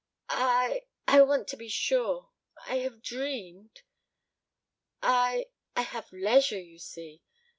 "I I want to be sure. I have dreamed ... I I have leisure, you see.